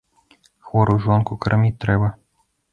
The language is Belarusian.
Хворую жонку карміць трэба.